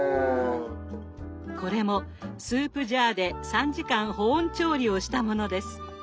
これもスープジャーで３時間保温調理をしたものです。